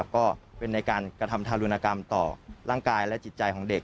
ก็เป็นในการกระทำทารุณกรรมต่อร่างกายและจิตใจของเด็ก